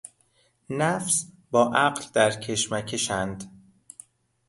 نفس با عقل در کشمکش اند